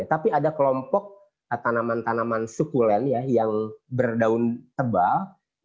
tapi ada kelompok tanaman tanaman sukulen yang berdaun tebal